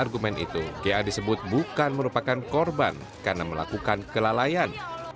ga disebut bukan merupakan korban karena melakukan kelalaian